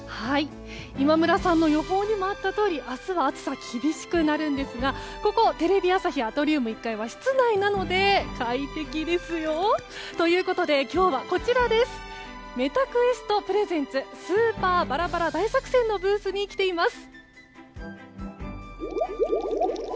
今村さんの予報にもあったとおり明日は暑さ厳しくなるんですがここテレビ朝日アトリウム１階は室内なので快適ですよ。ということで、今日はＭｅｔａＱｕｅｓｔｐｒｅｓｅｎｔｓ「スーパーバラバラ大作戦」のブースに来ています。